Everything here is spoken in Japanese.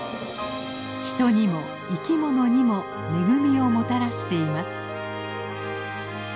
人にも生きものにも恵みをもたらしています。